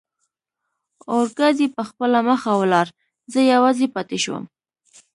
اورګاډي پخپله مخه ولاړ، زه یوازې پاتې شوم.